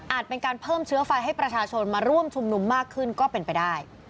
เป็นการเพิ่มเชื้อไฟให้ประชาชนมาร่วมชุมนุมมากขึ้นก็เป็นไปได้